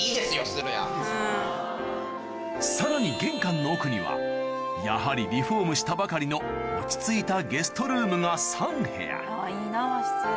さらに玄関の奥にはやはりリフォームしたばかりの落ち着いたゲストルームが３部屋いいな和室。